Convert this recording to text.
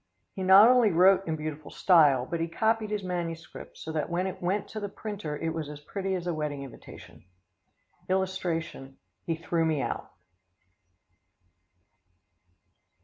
He not only wrote in beautiful style, but he copied his manuscript, so that when it went in to the printer it was as pretty as a wedding invitation. [Illustration: HE THREW ME OUT.